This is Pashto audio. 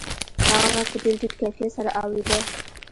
هغه غږ په ډېر ټیټ کیفیت سره اورېده